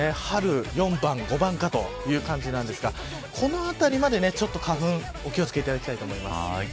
春４番、５番かという感じなんですがこのあたりまでちょっと花粉お気を付けいただきたいと思います。